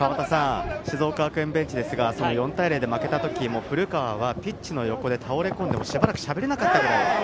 静岡学園ベンチですが、４対０で負けた時、古川はピッチの横で倒れ込んでしばらくしゃべれなかった。